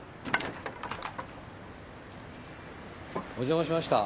お邪魔しました。